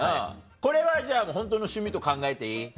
これはじゃあホントの趣味と考えていい？